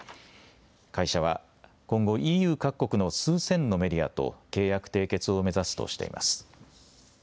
会社は今後、ＥＵ各国の数千のメディアと契約締結を目指すとしています。